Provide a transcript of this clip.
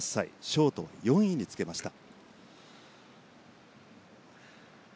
ショート４位につけました。